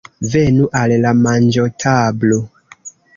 Venu al la manĝotablo.